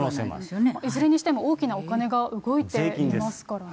いずれにしても、大きなお金が動いていますからね。